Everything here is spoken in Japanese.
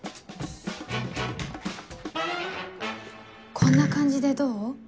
こんな感じでどう？